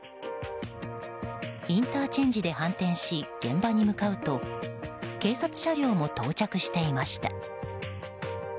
インターチェンジで反転し現場に向かうと警察車両も到着していました。